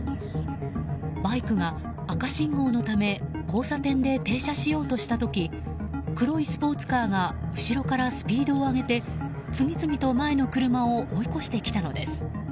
バイクが赤信号のため交差点で停車しようとした時黒いスポーツカーが後ろからスピードを上げて次々と前の車を追い越してきたのです。